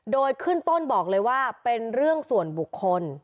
โดยขึ้นต้นบอกเลยว่าเป็นเรื่องส่วนบุคคล